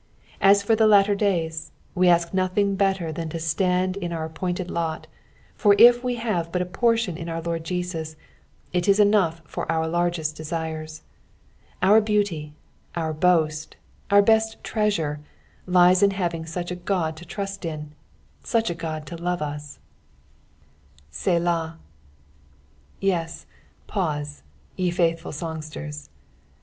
As for the latter days, we ask nothing better than to stand in our appointed lot, for if we have but a portion in our Lord Jesus, it is enough for our largest desires. Our beauty, our boost, our best treasure, Uus in having such a Qod to trust in, such a God to love us. P8A.L1I THE F0BTY SE7SNTH. 395 Sdah. Yes, pause, ye faithful Bongatera.